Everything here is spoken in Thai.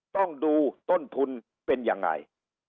ต้องดูต้นทุนเป็นยังไง